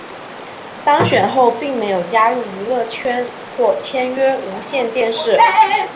当选后并没有加入娱乐圈或签约无线电视。